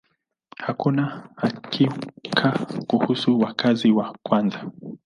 Hakuna hakika kuhusu wakazi wa kwanza.